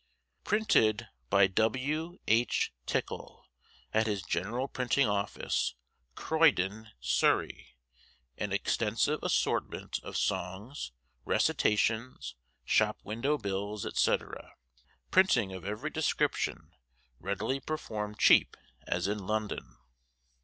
Printed by W. H. TICKLE, at his General Printing Office, Croydon, Surrey. An extensive assortment of Songs, Recitations, Shop Window Bills, &c. Printing of every description readily performed cheap as in London.